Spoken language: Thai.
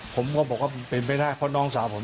ผมก็บอกว่าเป็นไปได้เพราะน้องสาวผม